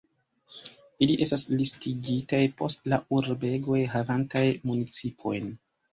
Ili estas listigitaj post la urbegoj havantaj municipojn.